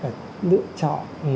và lựa chọn